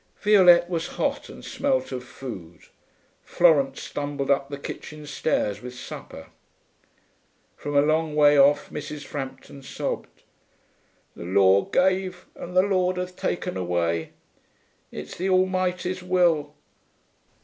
Violette was hot and smelt of food. Florence stumbled up the kitchen stairs with supper. From a long way off Mrs. Frampton sobbed, 'The Lord gave, and the Lord hath taken away.... It's the Almighty's will....